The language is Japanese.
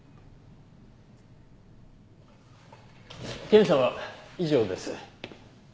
検査は以上です。